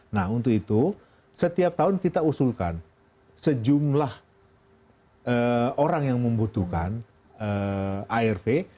nah untuk itu setiap tahun kita usulkan sejumlah orang yang membutuhkan arv